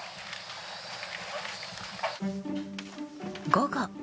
午後。